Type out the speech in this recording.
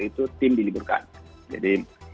itu tim diliburkan jadi